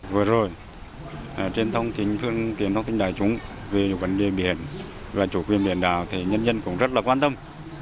vừa rồi trên thông tin đại chúng về vấn đề biển và chủ quyền biển đảo nhân dân cũng rất quan tâm